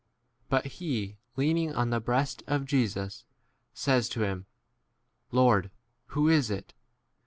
m But he leaning on the breast of Jesus says to him, Lord, 28 who is it?